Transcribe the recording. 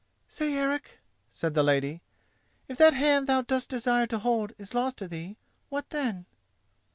"Say, Eric," said the lady, "if that hand thou dost desire to hold is lost to thee, what then?"